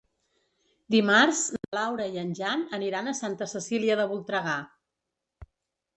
Dimarts na Laura i en Jan aniran a Santa Cecília de Voltregà.